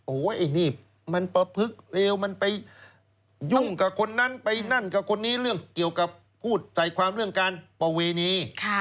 โอ้โหไอ้นี่มันประพฤกษเลวมันไปยุ่งกับคนนั้นไปนั่นกับคนนี้เรื่องเกี่ยวกับพูดใส่ความเรื่องการประเวณี